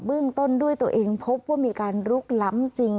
เรื่องต้นด้วยตัวเองพบว่ามีการลุกล้ำจริง